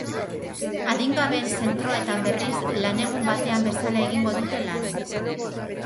Adingabeen zentroetan, berriz, lanegun batean bezala egingo dute lan.